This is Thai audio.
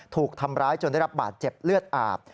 ถูกทำร้ายจนได้รับบาดเจ็บเลือดอาบ